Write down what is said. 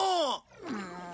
うん。